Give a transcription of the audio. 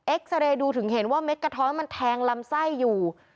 ซาเรย์ดูถึงเห็นว่าเด็ดกระท้อนมันแทงลำไส้อยู่